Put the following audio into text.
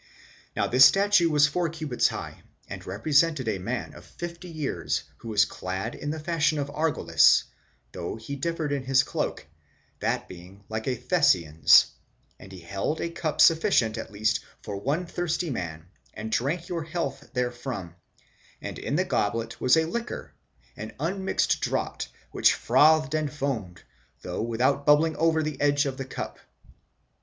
'Now this statue was four cubits high, and represented a man of fifty years who. was clad in the fashion of Argolis, though he parted his cloak in the way the Thessalians do, and he held a cup sufficient at least for one thirsty man and drank your health therefrom, and in the goblet there was.a liquor, an unmixed draught which frothed and foamed, though without bubbling over the edge of the cup.